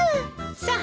さあ